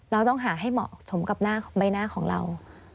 เราต้องหาให้เหมาะสมกับหน้าใบหน้าของเรา